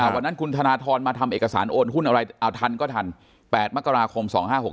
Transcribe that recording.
วันนั้นคุณธนทรมาทำเอกสารโอนหุ้นอะไรเอาทันก็ทัน๘มกราคม๒๕๖๖